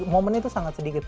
momennya itu sangat sedikit